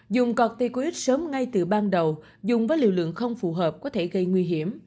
dùng corticoid sớm ngay từ ban đầu dùng với liều lượng không phù hợp có thể gây nguy hiểm